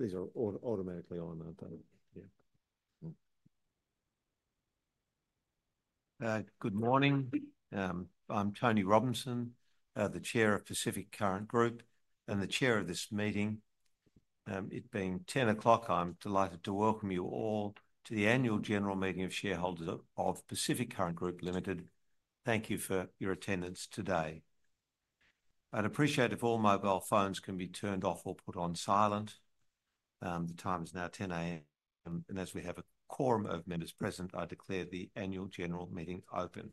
These are all automatically on, aren't they? Yeah. Good morning. I'm Tony Robinson, the Chair of Pacific Current Group and the Chair of this meeting. It being 10:00 A.M., I'm delighted to welcome you all to the Annual General Meeting of Shareholders of Pacific Current Group Limited. Thank you for your attendance today. I'd appreciate if all mobile phones can be turned off or put on silent. The time is now 10:00 A.M., and as we have a quorum of members present, I declare the Annual General Meeting open.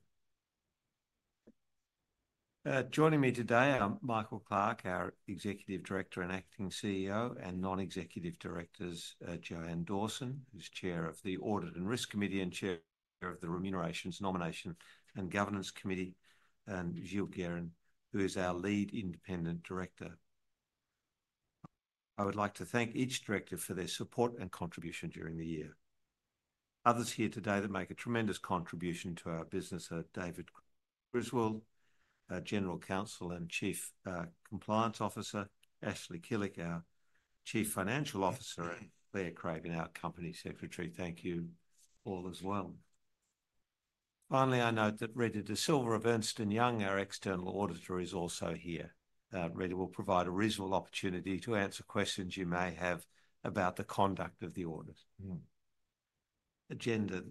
Joining me today are Michael Clarke, our Executive Director and Acting CEO, and Non-Executive Directors Joanne Dawson, who's Chair of the Audit and Risk Committee and Chair of the Remuneration, Nomination and Governance Committee, and Gilles Guérin, who is our Lead Independent Director. I would like to thank each Director for their support and contribution during the year. Others here today that make a tremendous contribution to our business are David Griswold, our General Counsel and Chief Compliance Officer, Ashley Killick, our Chief Financial Officer, and Claire Craven, our Company Secretary. Thank you all as well. Finally, I note that Rita Da Silva of Ernst & Young, our External Auditor, is also here. Rita will provide a reasonable opportunity to answer questions you may have about the conduct of the audit. The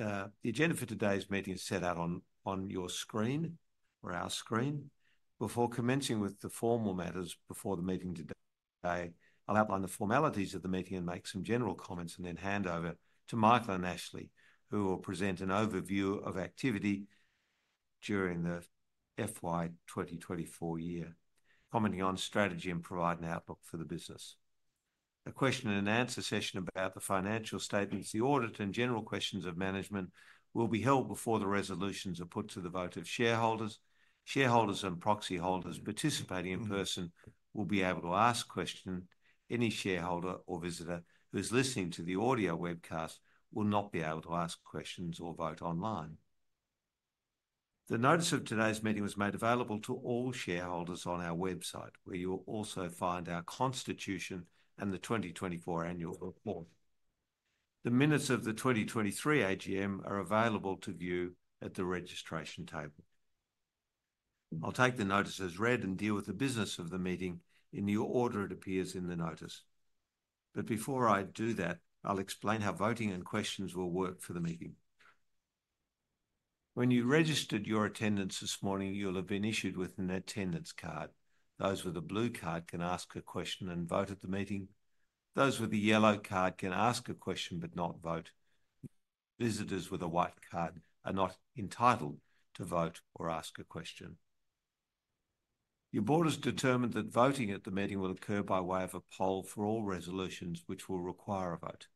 agenda for today's meeting is set out on your screen or our screen. Before commencing with the formal matters before the meeting today, I'll outline the formalities of the meeting and make some general comments, and then hand over to Michael and Ashley, who will present an overview of activity during the FY 2024 year, commenting on strategy and providing outlook for the business. A question and answer session about the financial statements, the audit, and general questions of management will be held before the resolutions are put to the vote of shareholders. Shareholders and proxy holders participating in person will be able to ask questions. Any shareholder or visitor who is listening to the audio webcast will not be able to ask questions or vote online. The notice of today's meeting was made available to all shareholders on our website, where you will also find our Constitution and the 2024 Annual Report. The minutes of the 2023 AGM are available to view at the registration table. I'll take the notice as read and deal with the business of the meeting in the order it appears in the notice. But before I do that, I'll explain how voting and questions will work for the meeting. When you registered your attendance this morning, you'll have been issued with an attendance card. Those with a blue card can ask a question and vote at the meeting. Those with a yellow card can ask a question but not vote. Visitors with a white card are not entitled to vote or ask a question. Your board has determined that voting at the meeting will occur by way of a poll for all resolutions, which will require a vote.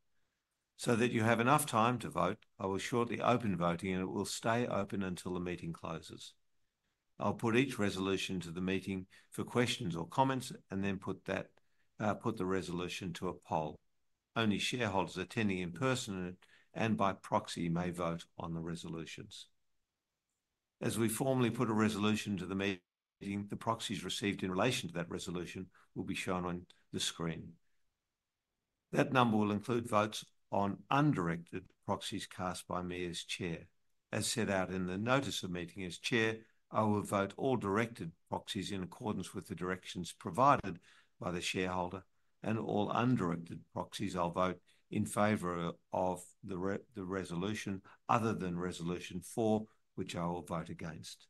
So that you have enough time to vote, I will shortly open voting, and it will stay open until the meeting closes. I'll put each resolution to the meeting for questions or comments and then put the resolution to a poll. Only shareholders attending in person and by proxy may vote on the resolutions. As we formally put a resolution to the meeting, the proxies received in relation to that resolution will be shown on the screen. That number will include votes on undirected proxies cast by me as Chair. As set out in the notice of meeting, as Chair, I will vote all directed proxies in accordance with the directions provided by the shareholder, and all undirected proxies I'll vote in favor of the resolution other than Resolution 4, which I will vote against.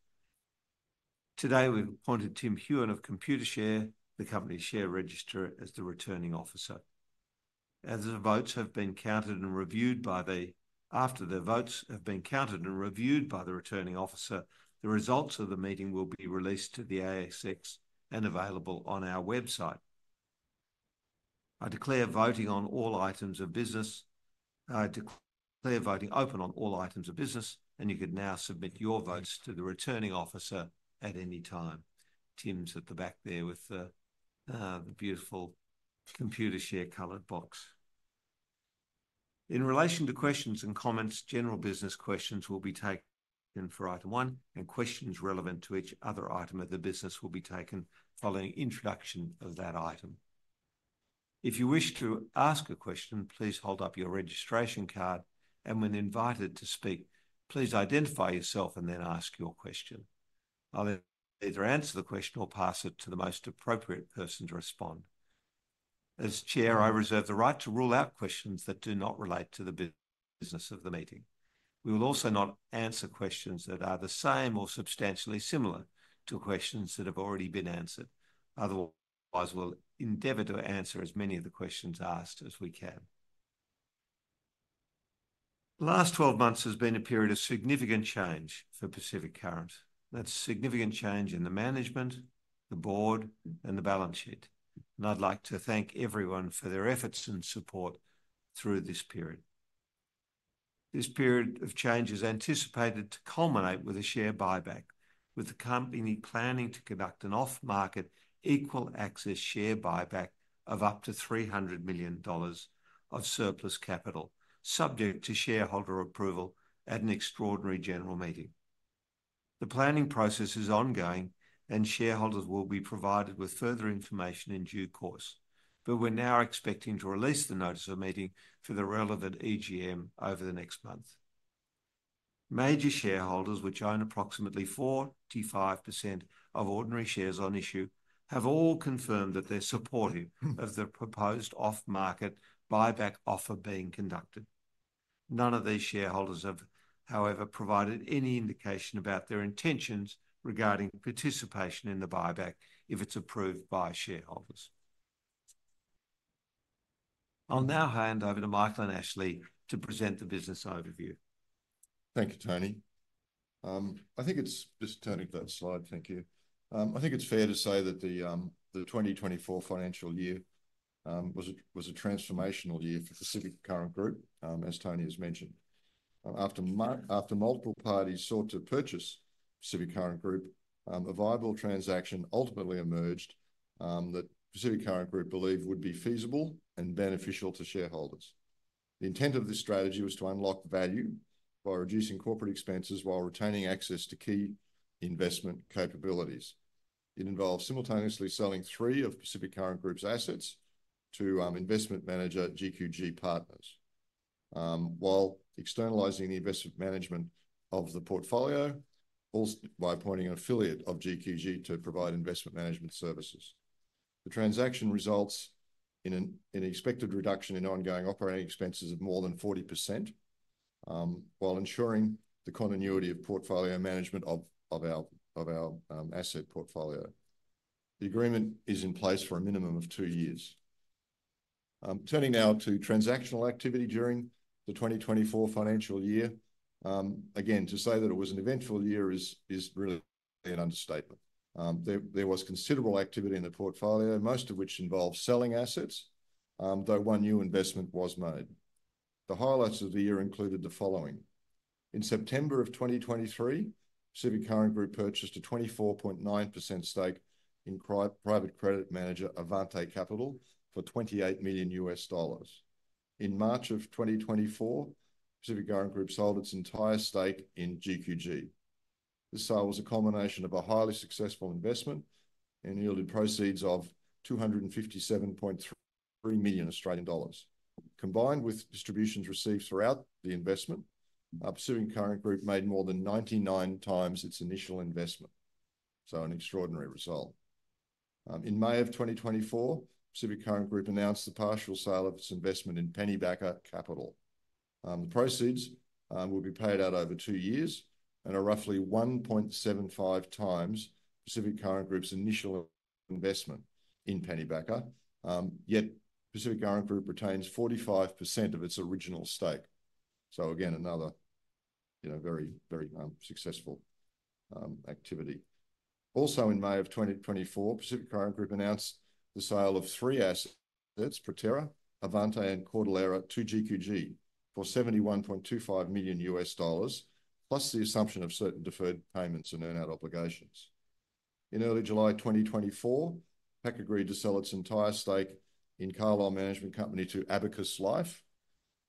Today, we've appointed Tim Hughan of Computershare, the Company's share registrar, as the returning officer. After the votes have been counted and reviewed by the returning officer, the results of the meeting will be released to the ASX and available on our website. I declare voting on all items of business. I declare voting open on all items of business, and you can now submit your votes to the returning officer at any time. Tim's at the back there with the beautiful Computershare colored box. In relation to questions and comments, general business questions will be taken for item one, and questions relevant to each other item of the business will be taken following introduction of that item. If you wish to ask a question, please hold up your registration card, and when invited to speak, please identify yourself and then ask your question. I'll either answer the question or pass it to the most appropriate person to respond. As Chair, I reserve the right to rule out questions that do not relate to the business of the meeting. We will also not answer questions that are the same or substantially similar to questions that have already been answered. Otherwise, we'll endeavor to answer as many of the questions asked as we can. The last 12 months has been a period of significant change for Pacific Current. That's significant change in the management, the board, and the balance sheet, and I'd like to thank everyone for their efforts and support through this period. This period of change is anticipated to culminate with a share buyback, with the company planning to conduct an off-market equal access share buyback of up to 300 million dollars of surplus capital, subject to shareholder approval at an extraordinary general meeting. The planning process is ongoing, and shareholders will be provided with further information in due course, but we're now expecting to release the notice of meeting for the relevant AGM over the next month. Major shareholders, which own approximately 45% of ordinary shares on issue, have all confirmed that they're supportive of the proposed off-market buyback offer being conducted. None of these shareholders have, however, provided any indication about their intentions regarding participation in the buyback if it's approved by shareholders. I'll now hand over to Michael and Ashley to present the business overview. Thank you, Tony. I think it's just Tony for that slide. Thank you. I think it's fair to say that the 2024 financial year was a transformational year for Pacific Current Group, as Tony has mentioned. After multiple parties sought to purchase Pacific Current Group, a viable transaction ultimately emerged that Pacific Current Group believed would be feasible and beneficial to shareholders. The intent of this strategy was to unlock value by reducing corporate expenses while retaining access to key investment capabilities. It involved simultaneously selling three of Pacific Current Group's assets to investment manager GQG Partners, while externalizing the investment management of the portfolio by appointing an affiliate of GQG to provide investment management services. The transaction results in an expected reduction in ongoing operating expenses of more than 40%, while ensuring the continuity of portfolio management of our asset portfolio. The agreement is in place for a minimum of two years. Turning now to transactional activity during the 2024 financial year, again, to say that it was an eventful year is really an understatement. There was considerable activity in the portfolio, most of which involved selling assets, though one new investment was made. The highlights of the year included the following. In September of 2023, Pacific Current Group purchased a 24.9% stake in private credit manager Avante Capital for $28 million. In March of 2024, Pacific Current Group sold its entire stake in GQG. This sale was a combination of a highly successful investment and yielded proceeds of 257.3 million Australian dollars. Combined with distributions received throughout the investment, Pacific Current Group made more than 99x its initial investment. So, an extraordinary result. In May of 2024, Pacific Current Group announced the partial sale of its investment in Pennybacker Capital. The proceeds will be paid out over two years and are roughly 1.75x Pacific Current Group's initial investment in Pennybacker, yet Pacific Current Group retains 45% of its original stake. So, again, another very, very successful activity. Also, in May of 2024, Pacific Current Group announced the sale of three assets, Proterra, Avante, and Cordillera, to GQG for $71.25 million, plus the assumption of certain deferred payments and earn-out obligations. In early July 2024, PAC agreed to sell its entire stake in Carlisle Management Company to Abacus Life.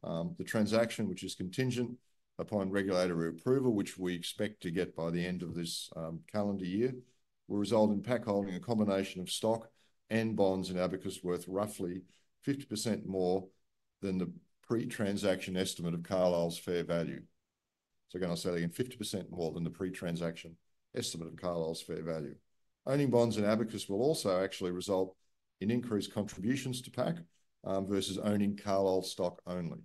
The transaction, which is contingent upon regulatory approval, which we expect to get by the end of this calendar year, will result in PAC holding a combination of stock and bonds in Abacus worth roughly 50% more than the pre-transaction estimate of Carlisle's fair value. So, again, I'll say that again, 50% more than the pre-transaction estimate of Carlisle's fair value. Owning bonds in Abacus will also actually result in increased contributions to PAC versus owning Carlisle stock only.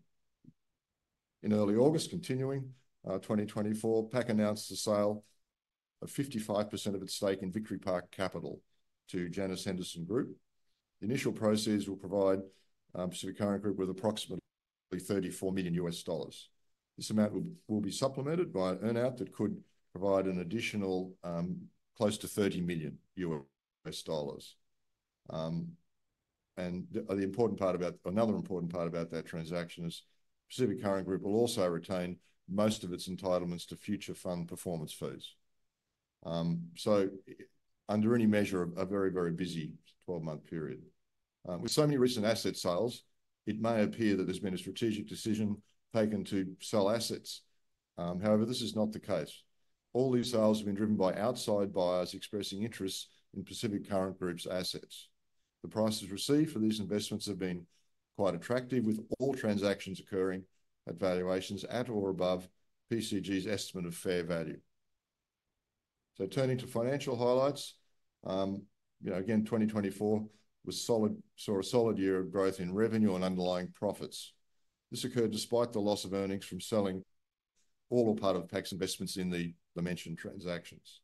In early August 2024, PAC announced the sale of 55% of its stake in Victory Park Capital to Janus Henderson Group. The initial proceeds will provide Pacific Current Group with approximately $34 million. This amount will be supplemented by an earn-out that could provide an additional close to $30 million. The important part about, another important part about that transaction is Pacific Current Group will also retain most of its entitlements to future fund performance fees. Under any measure, a very, very busy 12-month period. With so many recent asset sales, it may appear that there's been a strategic decision taken to sell assets. However, this is not the case. All these sales have been driven by outside buyers expressing interest in Pacific Current Group's assets. The prices received for these investments have been quite attractive, with all transactions occurring at valuations at or above PCG's estimate of fair value. Turning to financial highlights, again, 2024 was a solid year of growth in revenue and underlying profits. This occurred despite the loss of earnings from selling all or part of PCG's investments in the mentioned transactions.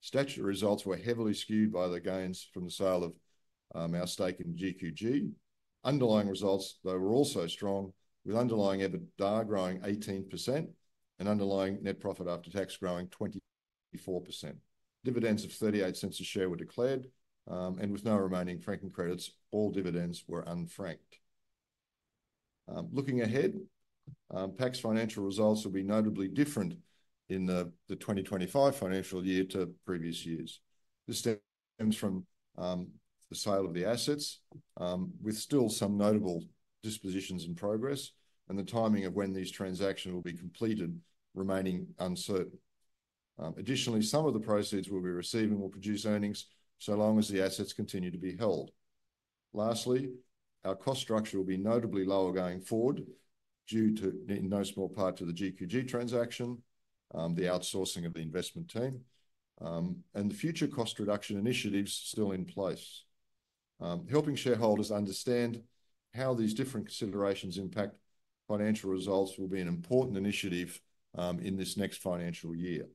Statutory results were heavily skewed by the gains from the sale of our stake in GQG. Underlying results, though, were also strong, with underlying EBITDA growing 18% and underlying net profit after tax growing 24%. Dividends of 0.38 per share were declared, and with no remaining franking credits, all dividends were unfranked. Looking ahead, PAC's financial results will be notably different in the 2025 financial year to previous years. This stems from the sale of the assets, with still some notable dispositions in progress and the timing of when these transactions will be completed remaining uncertain. Additionally, some of the proceeds we'll be receiving will produce earnings so long as the assets continue to be held. Lastly, our cost structure will be notably lower going forward due to, in no small part, the GQG transaction, the outsourcing of the investment team, and the future cost reduction initiatives still in place. Helping shareholders understand how these different considerations impact financial results will be an important initiative in this next financial year.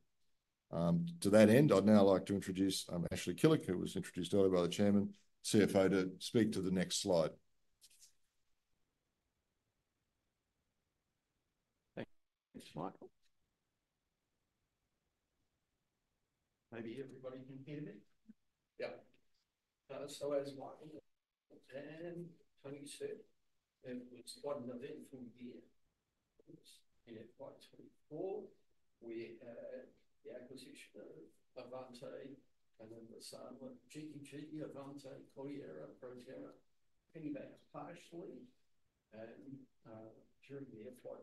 To that end, I'd now like to introduce Ashley Killick, who was introduced earlier by the Chairman, CFO, to speak to the next slide. Thanks, Michael. Maybe everybody can hear me? Yeah. So as Michael and Tony said, it was quite an eventful year. In FY 2024, we had the acquisition of Avante and then the sale of GQG, Avante, Cordillera, Proterra, Pennybacker partially. And during the FY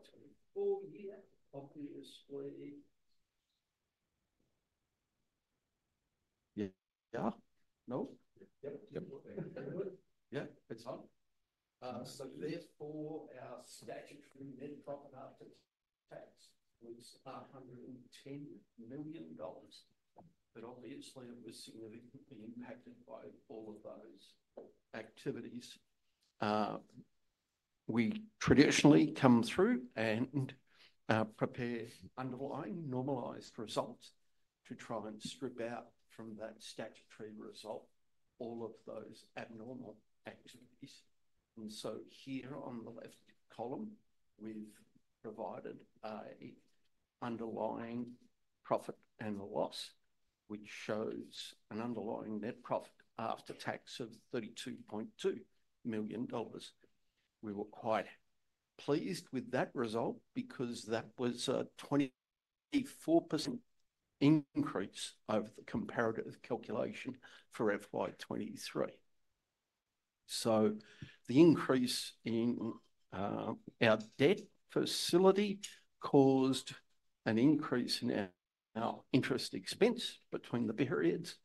2024 year, obviously. Yeah. No? Yep. Yep. Yep. Yeah. It's fine. So therefore, our statutory net profit after tax was 110 million dollars. But obviously, it was significantly impacted by all of those activities. We traditionally come through and prepare underlying normalized results to try and strip out from that statutory result all of those abnormal activities, and so here on the left column, we've provided an underlying profit and loss, which shows an underlying net profit after tax of 32.2 million dollars. We were quite pleased with that result because that was a 24% increase over the comparative calculation for FY 2023, so the increase in our debt facility caused an increase in our interest expense between the periods.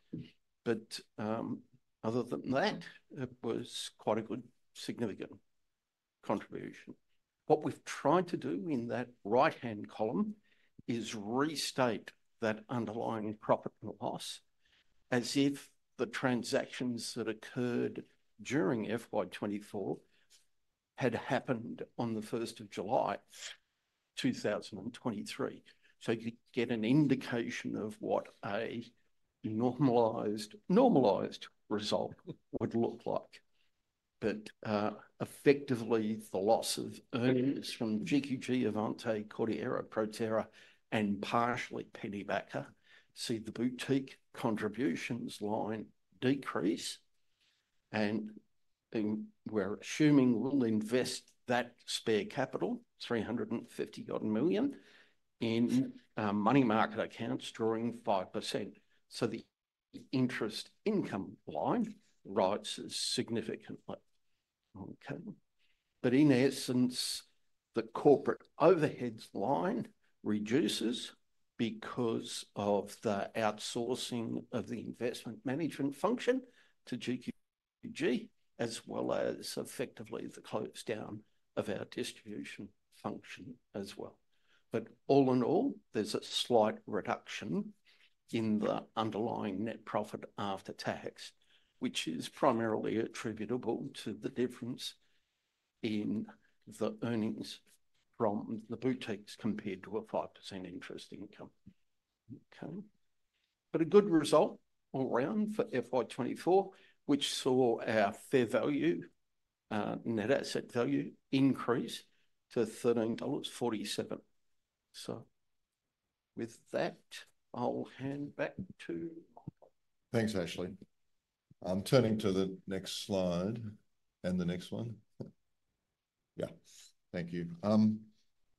But other than that, it was quite a good significant contribution. What we've tried to do in that right-hand column is restate that underlying profit and loss as if the transactions that occurred during FY 2024 had happened on the 1st of July 2023, so you get an indication of what a normalized result would look like. But effectively, the loss of earnings from GQG, Avante, Cordillera, Proterra, and partially Pennybacker see the boutique contributions line decrease. And we're assuming we'll invest that spare capital, 350 million, in money market accounts drawing 5%. So the interest income line rises significantly. Okay. But in essence, the corporate overheads line reduces because of the outsourcing of the investment management function to GQG, as well as effectively the close down of our distribution function as well. But all in all, there's a slight reduction in the underlying net profit after tax, which is primarily attributable to the difference in the earnings from the boutiques compared to a 5% interest income. Okay. But a good result all around for FY 2024, which saw our fair value, net asset value increase to 13.47 dollars. So with that, I'll hand back to Michael. Thanks, Ashley. I'm turning to the next slide and the next one. Yeah. Thank you.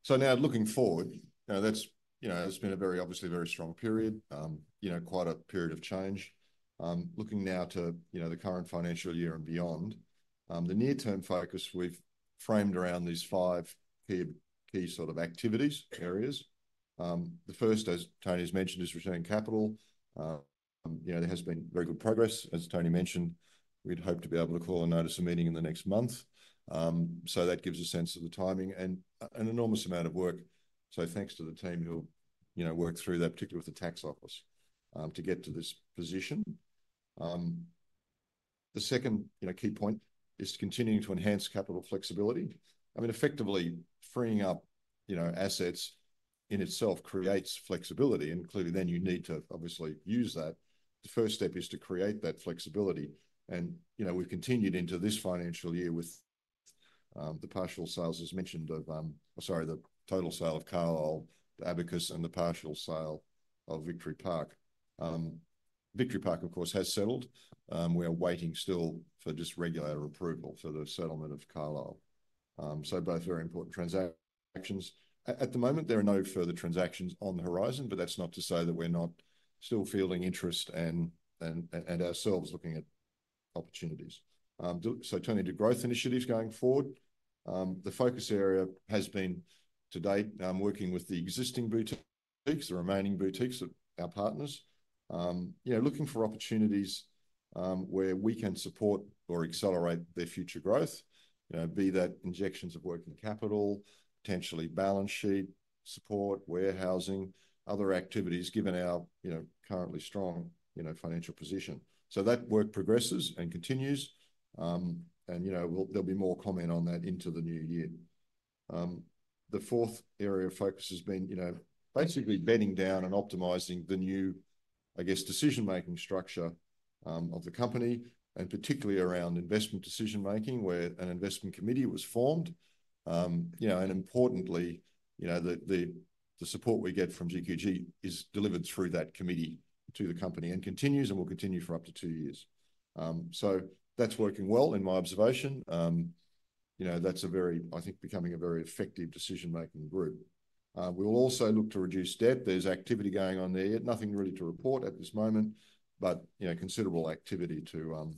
So now looking forward, that's been a very, obviously very strong period, quite a period of change. Looking now to the current financial year and beyond, the near-term focus we've framed around these five key sort of activities areas. The first, as Tony has mentioned, is returning capital. There has been very good progress, as Tony mentioned. We'd hope to be able to call and notice a meeting in the next month. So that gives a sense of the timing and an enormous amount of work. So thanks to the team who worked through that, particularly with the tax office, to get to this position. The second key point is continuing to enhance capital flexibility. I mean, effectively freeing up assets in itself creates flexibility, including then you need to obviously use that. The first step is to create that flexibility, and we've continued into this financial year with the partial sales, as mentioned, of, sorry, the total sale of Carlisle, the Abacus Life, and the partial sale of Victory Park Capital. Victory Park Capital, of course, has settled. We are waiting still for just regulator approval for the settlement of Carlisle, so both very important transactions. At the moment, there are no further transactions on the horizon, but that's not to say that we're not still feeling interest and ourselves looking at opportunities. Turning to growth initiatives going forward, the focus area has been to date working with the existing boutiques, the remaining boutiques of our partners, looking for opportunities where we can support or accelerate their future growth, be that injections of working capital, potentially balance sheet support, warehousing, other activities, given our currently strong financial position. That work progresses and continues. And there'll be more comment on that into the new year. The fourth area of focus has been basically bedding down and optimizing the new, I guess, decision-making structure of the company, and particularly around investment decision-making, where an investment committee was formed, and importantly, the support we get from GQG is delivered through that committee to the company and continues and will continue for up to two years. So that's working well in my observation. That's a very, I think, becoming a very effective decision-making group. We will also look to reduce debt. There's activity going on there. Nothing really to report at this moment, but considerable activity to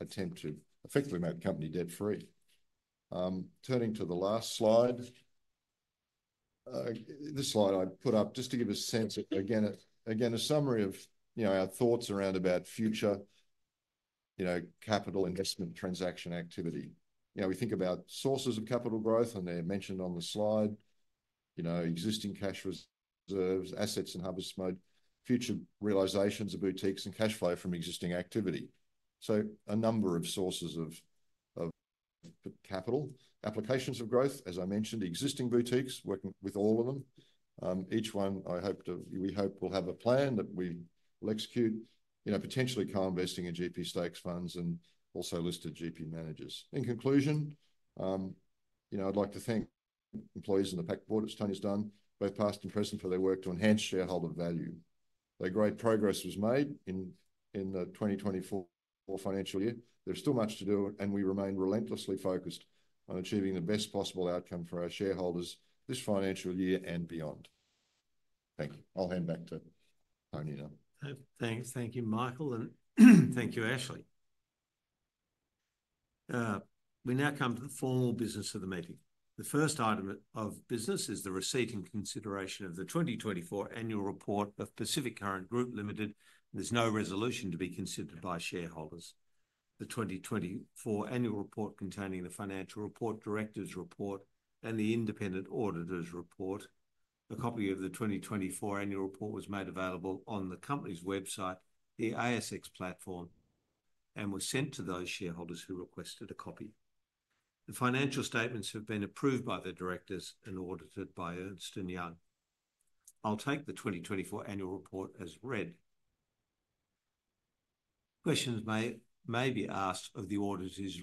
attempt to effectively make the company debt-free. Turning to the last slide, this slide I put up just to give a sense, again, a summary of our thoughts around about future capital investment transaction activity. We think about sources of capital growth, and they're mentioned on the slide, existing cash reserves, assets and hubs mode, future realizations of boutiques, and cash flow from existing activity. So a number of sources of capital applications of growth, as I mentioned, existing boutiques, working with all of them. Each one, I hope we hope we'll have a plan that we will execute, potentially co-investing in GP stake funds and also listed GP managers. In conclusion, I'd like to thank employees in the PAC board as Tony's done, both past and present, for their work to enhance shareholder value. A great progress was made in the 2024 financial year. There's still much to do, and we remain relentlessly focused on achieving the best possible outcome for our shareholders this financial year and beyond. Thank you. I'll hand back to Tony now. Thanks. Thank you, Michael, and thank you, Ashley. We now come to the formal business of the meeting. The first item of business is the receipt and consideration of the 2024 annual report of Pacific Current Group Limited. There's no resolution to be considered by shareholders. The 2024 annual report containing the financial report, director's report, and the independent auditor's report. A copy of the 2024 annual report was made available on the company's website, the ASX platform, and was sent to those shareholders who requested a copy. The financial statements have been approved by the directors and audited by Ernst & Young. I'll take the 2024 annual report as read. Questions may be asked of the auditors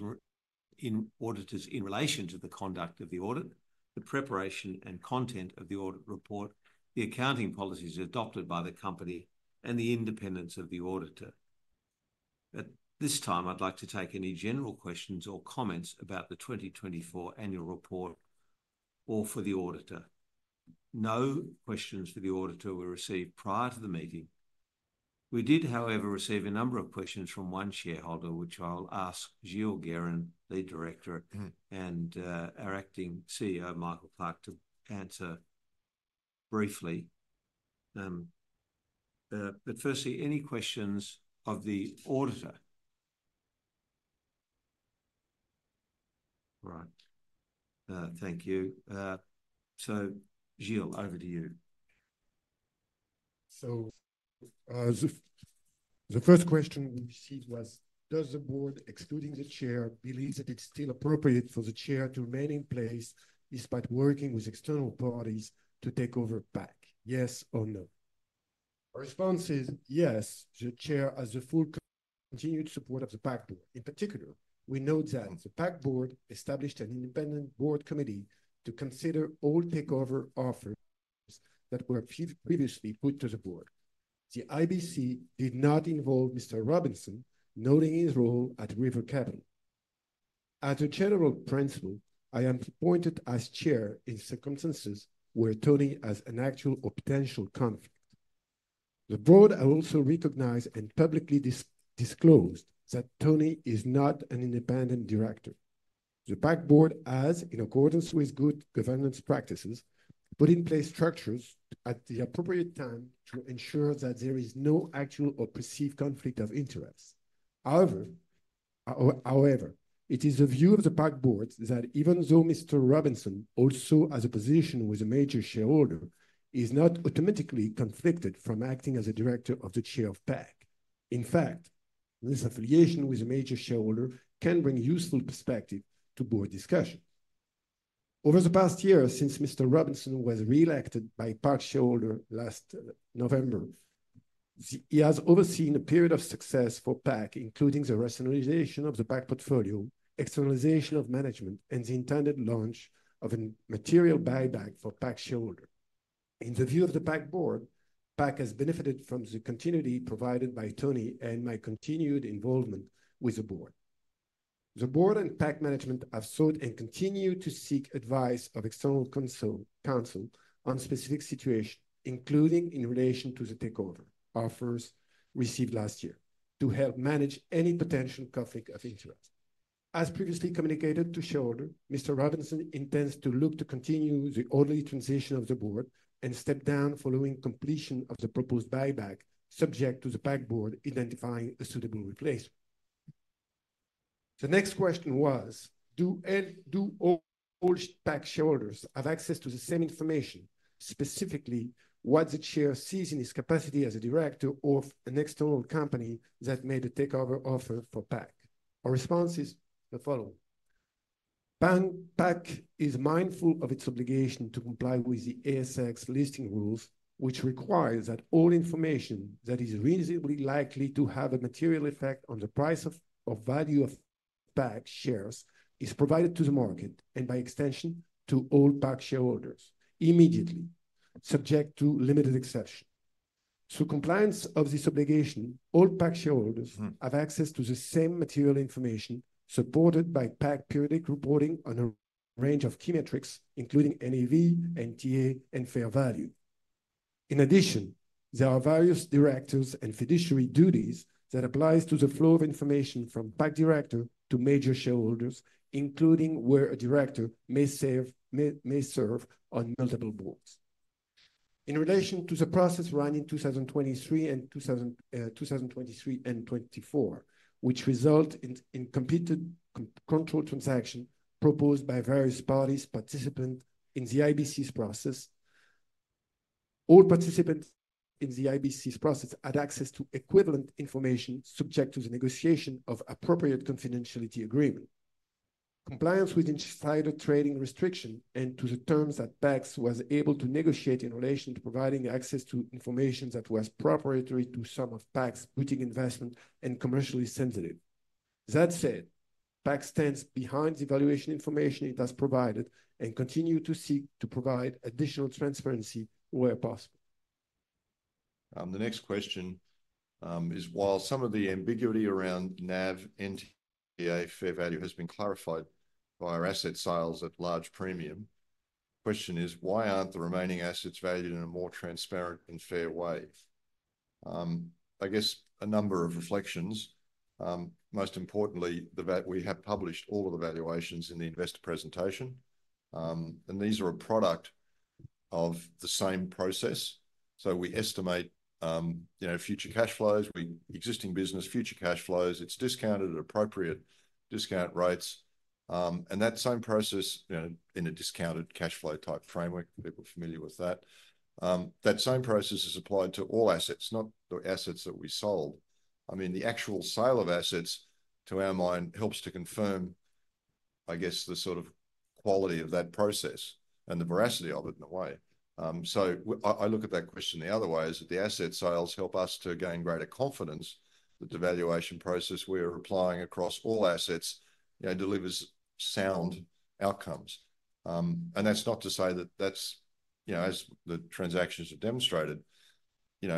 in relation to the conduct of the audit, the preparation and content of the audit report, the accounting policies adopted by the company, and the independence of the auditor. At this time, I'd like to take any general questions or comments about the 2024 annual report or for the auditor. No questions for the auditor were received prior to the meeting. We did, however, receive a number of questions from one shareholder, which I'll ask Gilles Guérin, Lead Director, and our Acting CEO, Michael Clarke, to answer briefly. But firstly, any questions of the auditor? All right. Thank you. So Gilles, over to you. The first question we received was, does the board, excluding the chair, believe that it's still appropriate for the chair to remain in place despite working with external parties to take over PAC? Yes or no? Our response is yes, the chair has the full continued support of the PAC board. In particular, we note that the PAC board established an independent board committee to consider all takeover offers that were previously put to the board. The IBC did not involve Mr. Robinson, noting his role at River Capital. As a general principle, I am appointed as chair in circumstances where Tony has an actual or potential conflict. The board also recognized and publicly disclosed that Tony is not an independent director. The PAC board has, in accordance with good governance practices, put in place structures at the appropriate time to ensure that there is no actual or perceived conflict of interest. However, it is the view of the PAC board that even though Mr. Robinson also has a position with a major shareholder, he is not automatically conflicted from acting as a director or the Chair of PAC. In fact, this affiliation with a major shareholder can bring useful perspective to board discussions. Over the past year, since Mr. Robinson was re-elected by PAC shareholder last November, he has overseen a period of success for PAC, including the rationalization of the PAC portfolio, externalization of management, and the intended launch of a material buyback for PAC shareholder. In the view of the PAC board, PAC has benefited from the continuity provided by Tony and my continued involvement with the board. The board and PAC management have sought and continue to seek advice of external counsel on specific situations, including in relation to the takeover offers received last year, to help manage any potential conflict of interest. As previously communicated to shareholders, Mr. Robinson intends to look to continue the orderly transition of the board and step down following completion of the proposed buyback, subject to the PAC board identifying a suitable replacement. The next question was, do all PAC shareholders have access to the same information, specifically what the chair sees in his capacity as a director of an external company that made a takeover offer for PAC? Our response is the following. PAC is mindful of its obligation to comply with the ASX listing rules, which require that all information that is reasonably likely to have a material effect on the price or value of PAC shares is provided to the market and by extension to all PAC shareholders immediately, subject to limited exceptions. Through compliance with this obligation, all PAC shareholders have access to the same material information supported by PAC periodic reporting on a range of key metrics, including NAV, NTA, and fair value. In addition, there are various directors' and fiduciary duties that apply to the flow of information from PAC directors to major shareholders, including where a director may serve on multiple boards. In relation to the process run in 2023 and 2024, which resulted in completed control transactions proposed by various parties, participants in the IBC's process, all participants in the IBC's process had access to equivalent information subject to the negotiation of appropriate confidentiality agreements. Compliance with insider trading restrictions and to the terms that PAC was able to negotiate in relation to providing access to information that was proprietary to some of PAC's boutique investments and commercially sensitive. That said, PAC stands behind the evaluation information it has provided and continues to seek to provide additional transparency where possible. The next question is, while some of the ambiguity around NAV and NTA fair value has been clarified by our asset sales at large premium, the question is, why aren't the remaining assets valued in a more transparent and fair way? I guess a number of reflections. Most importantly, we have published all of the valuations in the investor presentation, and these are a product of the same process. So we estimate future cash flows, existing business, future cash flows. It's discounted at appropriate discount rates. And that same process in a discounted cash flow type framework, people are familiar with that. That same process is applied to all assets, not the assets that we sold. I mean, the actual sale of assets, to our mind, helps to confirm, I guess, the sort of quality of that process and the veracity of it in a way. So I look at that question the other way, that the asset sales help us to gain greater confidence that the valuation process we are applying across all assets delivers sound outcomes. And that's not to say that that's, as the transactions have demonstrated,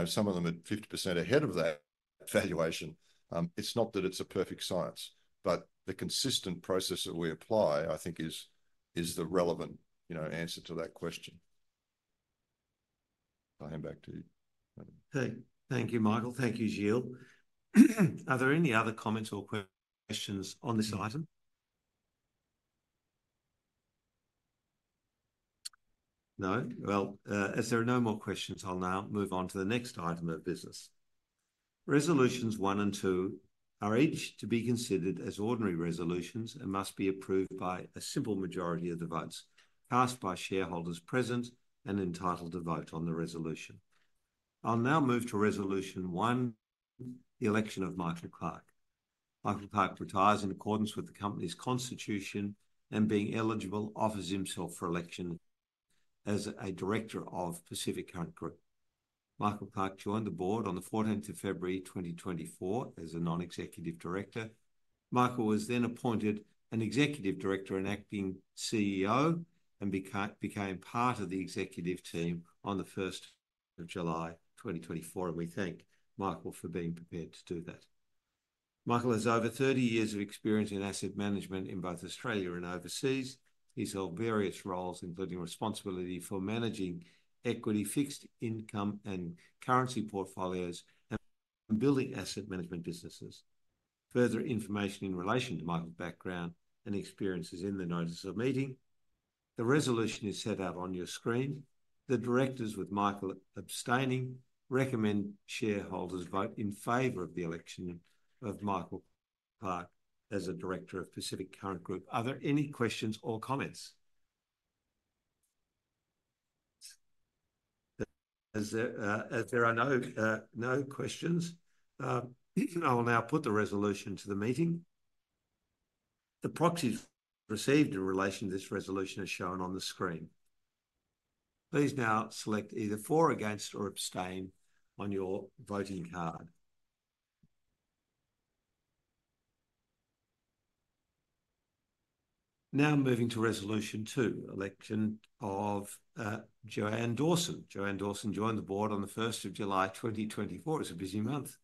some of them at 50% ahead of that valuation. It's not that it's a perfect science, but the consistent process that we apply, I think, is the relevant answer to that question. I'll hand back to you. Thank you, Michael. Thank you, Gilles. Are there any other comments or questions on this item? No? Well, as there are no more questions, I'll now move on to the next item of business. Resolutions one and two are each to be considered as ordinary resolutions and must be approved by a simple majority of the votes cast by shareholders present and entitled to vote on the resolution. I'll now move to resolution one, the election of Michael Clarke. Michael Clarke retires in accordance with the company's constitution and, being eligible, offers himself for election as a director of Pacific Current Group. Michael Clarke joined the board on the 14th of February, 2024, as a non-executive director. Michael was then appointed an executive director and acting CEO and became part of the executive team on the 1st of July, 2024, and we thank Michael for being prepared to do that. Michael has over 30 years of experience in asset management in both Australia and overseas. He's held various roles, including responsibility for managing equity, fixed income, and currency portfolios and building asset management businesses. Further information in relation to Michael's background and experiences in the notice of meeting, the resolution is set out on your screen. The directors, with Michael abstaining, recommend shareholders vote in favor of the election of Michael Clarke as a director of Pacific Current Group. Are there any questions or comments? As there are no questions, I will now put the resolution to the meeting. The proxies received in relation to this resolution are shown on the screen. Please now select either for, against, or abstain on your voting card. Now moving to resolution two, election of Joanne Dawson. Joanne Dawson joined the board on the 1st of July, 2024. It's a busy month.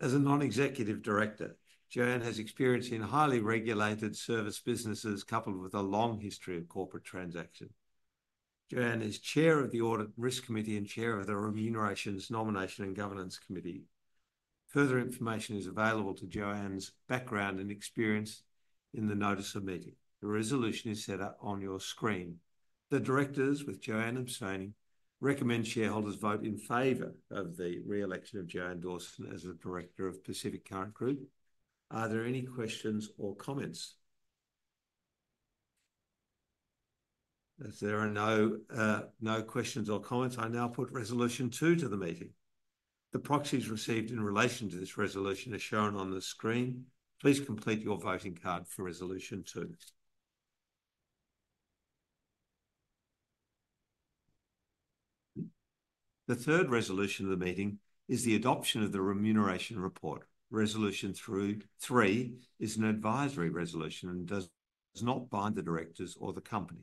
As a non-executive director, Joanne has experience in highly regulated service businesses coupled with a long history of corporate transactions. Joanne is chair of the Audit and Risk Committee and Chair of the Remuneration, Nomination and Governance Committee. Further information is available on Joanne's background and experience in the notice of meeting. The resolution is shown on your screen. The directors, with Joanne abstaining, recommend shareholders vote in favor of the re-election of Joanne Dawson as a director of Pacific Current Group. Are there any questions or comments? As there are no questions or comments, I now put resolution two to the meeting. The proxies received in relation to this resolution are shown on the screen. Please complete your voting card for resolution two. The third resolution of the meeting is the adoption of the Remuneration Report. Resolution three is an advisory resolution and does not bind the directors or the company.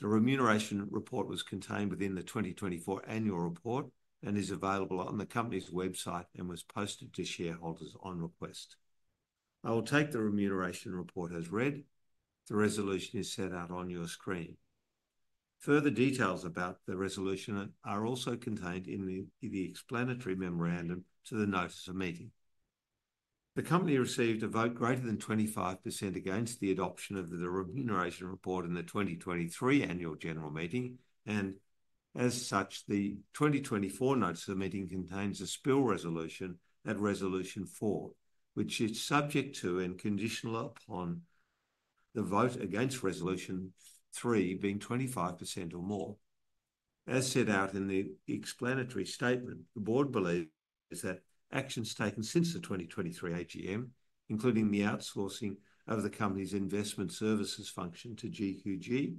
The Remuneration Report was contained within the 2024 annual report and is available on the company's website and was posted to shareholders on request. I will take the Remuneration Report as read. The resolution is set out on your screen. Further details about the resolution are also contained in the explanatory memorandum to the Notice of Meeting. The company received a vote greater than 25% against the adoption of the Remuneration Report in the 2023 Annual General Meeting, and as such, the 2024 Notice of Meeting contains a spill resolution at resolution four, which is subject to and conditional upon the vote against resolution three being 25% or more. As set out in the explanatory statement, the board believes that actions taken since the 2023 AGM, including the outsourcing of the company's investment services function to GQG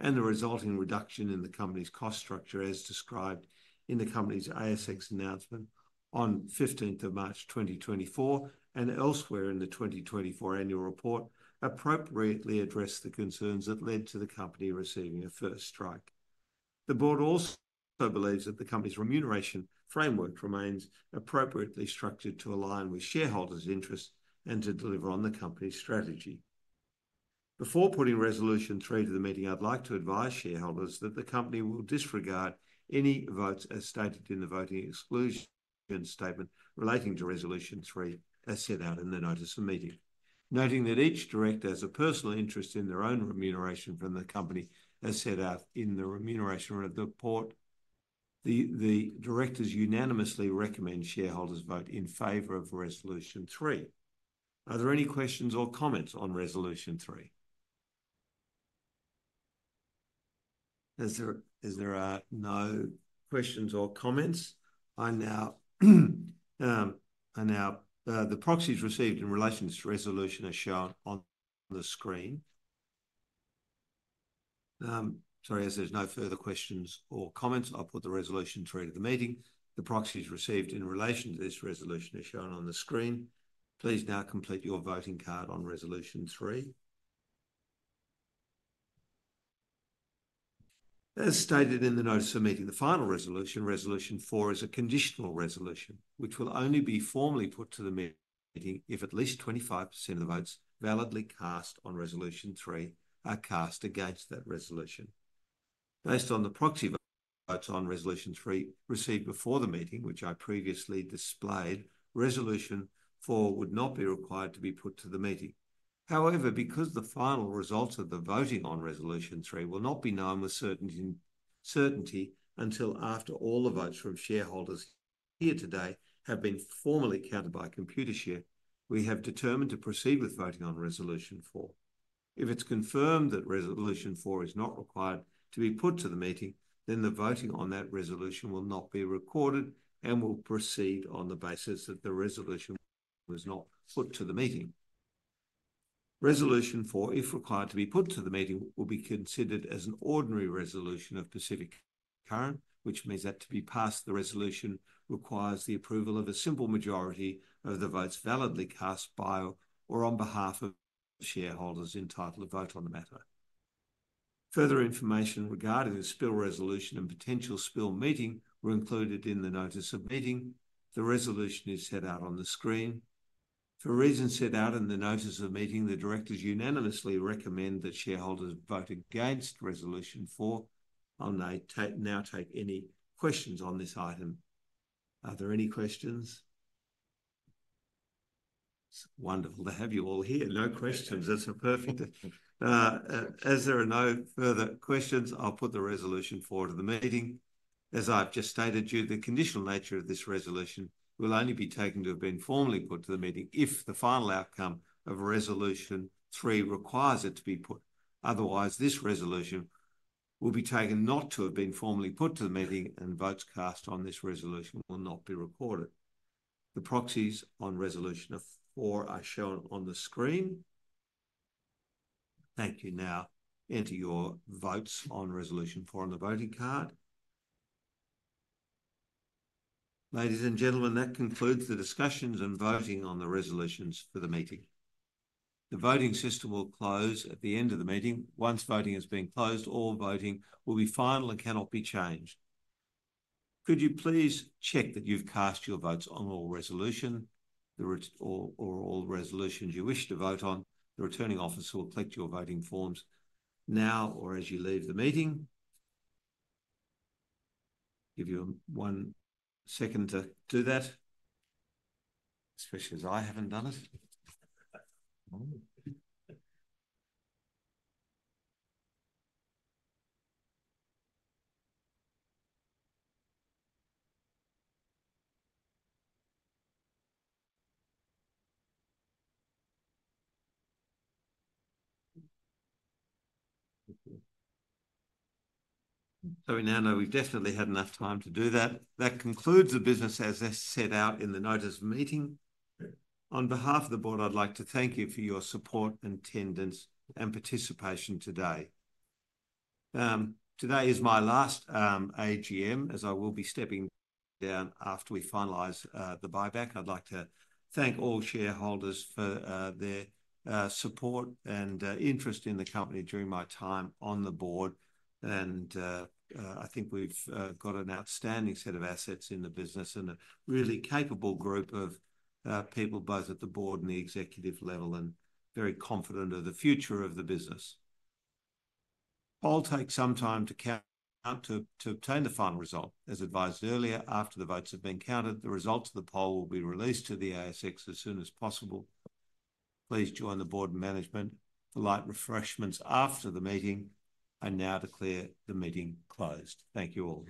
and the resulting reduction in the company's cost structure as described in the company's ASX announcement on 15th of March, 2024, and elsewhere in the 2024 annual report, appropriately addressed the concerns that led to the company receiving a first strike. The board also believes that the company's remuneration framework remains appropriately structured to align with shareholders' interests and to deliver on the company's strategy. Before putting resolution three to the meeting, I'd like to advise shareholders that the company will disregard any votes as stated in the voting exclusion statement relating to resolution three as set out in the notice of meeting, noting that each director has a personal interest in their own remuneration from the company as set out in the Remuneration Report. The directors unanimously recommend shareholders vote in favor of resolution three. Are there any questions or comments on resolution three? As there are no questions or comments, I note the proxies received in relation to resolution are shown on the screen. Sorry, as there's no further questions or comments, I'll put the resolution three to the meeting. The proxies received in relation to this resolution are shown on the screen. Please now complete your voting card on resolution three. As stated in the notice of meeting, the final resolution, resolution four, is a conditional resolution, which will only be formally put to the meeting if at least 25% of the votes validly cast on resolution three are cast against that resolution. Based on the proxy votes on resolution three received before the meeting, which I previously displayed, resolution four would not be required to be put to the meeting. However, because the final results of the voting on resolution three will not be known with certainty until after all the votes from shareholders here today have been formally counted by Computershare, we have determined to proceed with voting on resolution four. If it's confirmed that resolution four is not required to be put to the meeting, then the voting on that resolution will not be recorded and will proceed on the basis that the resolution was not put to the meeting. Resolution four, if required to be put to the meeting, will be considered as an ordinary resolution of Pacific Current, which means that to be passed, the resolution requires the approval of a simple majority of the votes validly cast by or on behalf of shareholders entitled to vote on the matter. Further information regarding the spill resolution and potential spill meeting were included in the notice of meeting. The resolution is set out on the screen. For reasons set out in the notice of meeting, the directors unanimously recommend that shareholders vote against resolution four. I'll now take any questions on this item. Are there any questions? It's wonderful to have you all here. No questions. That's a perfect question. As there are no further questions, I'll put the resolution four to the meeting. As I've just stated to you, the conditional nature of this resolution will only be taken to have been formally put to the meeting if the final outcome of resolution three requires it to be put. Otherwise, this resolution will be taken not to have been formally put to the meeting, and votes cast on this resolution will not be recorded. The proxies on resolution four are shown on the screen. Thank you. Now enter your votes on resolution four on the voting card. Ladies and gentlemen, that concludes the discussions and voting on the resolutions for the meeting. The voting system will close at the end of the meeting. Once voting has been closed, all voting will be final and cannot be changed. Could you please check that you've cast your votes on all resolutions or all resolutions you wish to vote on? The returning officer will collect your voting forms now or as you leave the meeting. Give you one second to do that, especially as I haven't done it. So we now know we've definitely had enough time to do that. That concludes the business as set out in the notice of meeting. On behalf of the board, I'd like to thank you for your support, attendance, and participation today. Today is my last AGM, as I will be stepping down after we finalize the buyback. I'd like to thank all shareholders for their support and interest in the company during my time on the board. I think we've got an outstanding set of assets in the business and a really capable group of people, both at the board and the executive level, and very confident of the future of the business. Polls take some time to count to obtain the final result. As advised earlier, after the votes have been counted, the results of the poll will be released to the ASX as soon as possible. Please join the board and management for light refreshments after the meeting and now declare the meeting closed. Thank you all.